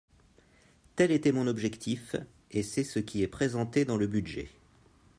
Tel était mon objectif et c’est ce qui est présenté dans le budget.